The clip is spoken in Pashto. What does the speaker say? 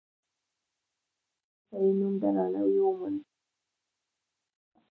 خو وروسته یې نوم درناوی وموند او جایزه اعلان شوه.